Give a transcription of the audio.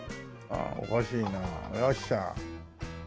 おかしいなよっしゃ。